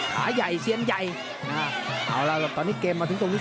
ขาใหญ่เซียนใหญ่เอาล่ะตอนนี้เกมมาถึงตรงนี้